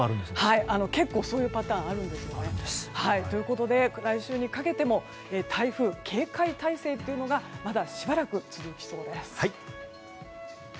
結構、そういうパターンがあるんですね。ということで来週にかけても台風警戒態勢というのがまだしばらく続きそうです。